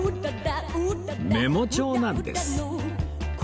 メモ帳なんです